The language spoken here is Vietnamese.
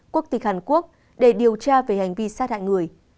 quốc tịch hàn quốc để điều tra về hành vi sát hại người